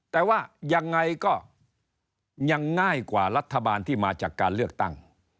แต่ว่ายังไงก็ยังง่ายกว่ารัฐบาลที่มาจากการเลือกตั้ง